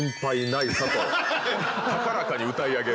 と高らかに歌い上げる。